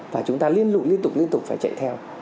và chúng ta liên lụi liên tục liên tục phải chạy theo